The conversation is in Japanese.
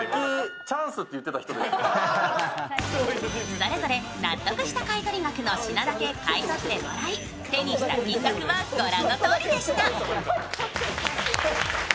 それぞれ納得した買い取り額の品だけ買い取ってもらい手にした金額はご覧のとおりでした。